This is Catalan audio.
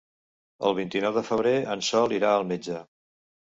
El vint-i-nou de febrer en Sol irà al metge.